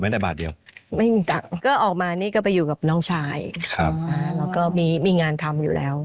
แล้วก็มีงานทำอยู่แล้ว